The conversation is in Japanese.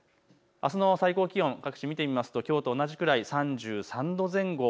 あすの最高気温、各地見てみますときょうと同じくらい３３度前後。